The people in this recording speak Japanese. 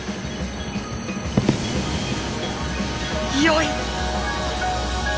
「よい」。